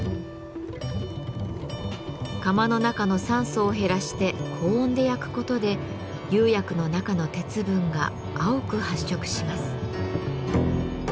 窯の中の酸素を減らして高温で焼くことで釉薬の中の鉄分が青く発色します。